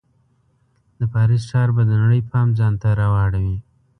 د پاریس ښار به د نړۍ پام ځان ته راواړوي.